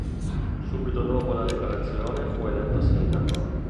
Subito dopo la liberazione fu eletto sindaco.